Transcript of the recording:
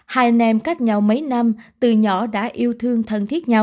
hai anh em cách nhau mấy năm từ nhỏ đã yêu thương thân thiết nhau